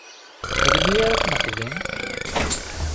Melmi ara ad t-nexdem?